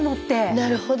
なるほど。